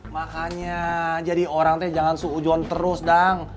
makanya jadi orang teh jangan seujon terus dang